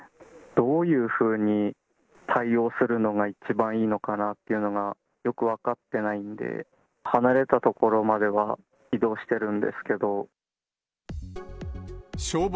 どういうふうに対応するのが一番いいのかなっていうのがよく分かってないんで、離れた所までは移動してるんですけど。